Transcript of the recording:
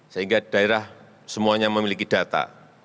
sehingga daerah semuanya memiliki data